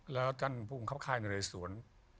แล้วท่านคับค่ายนรัยสวน